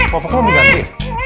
popok lu diganti